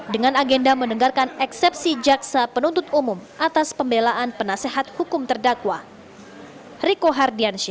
dengan agenda mendengarkan eksepsi jaksa penuntut umum atas pembelaan penasehat hukum terdakwa